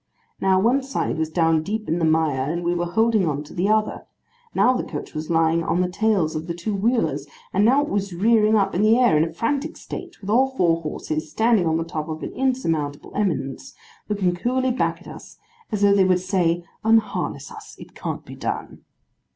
Now, one side was down deep in the mire, and we were holding on to the other. Now, the coach was lying on the tails of the two wheelers; and now it was rearing up in the air, in a frantic state, with all four horses standing on the top of an insurmountable eminence, looking coolly back at it, as though they would say 'Unharness us. It can't be done.